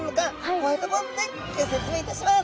ホワイトボードでギョ説明いたします！